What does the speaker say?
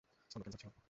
স্তন ক্যান্সার ছিল।